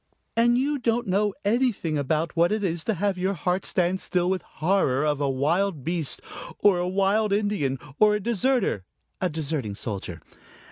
And you don't know anything about what it is to have your heart stand still with horror of a wild beast or a wild Indian or a deserter a deserting soldier.